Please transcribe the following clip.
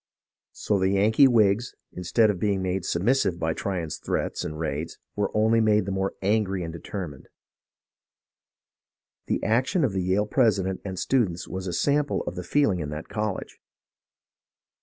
So the Yankee Whigs, instead of be ing made submissive by Tryon's threats and raids, were only made the more angry and determined. The action of the Yale president and students was a sample of the feel ing in that college.